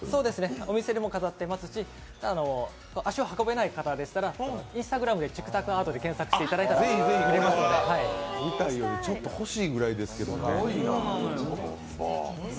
お店にも飾ってますし、足を運べない方でしたらＩｎｓｔａｇｒａｍでチクタクアートで検索していただいたら、ちょっと欲しいぐらいですけど。